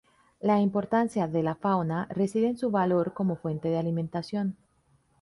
La importancia de la fauna reside en su valor como fuente de alimentación.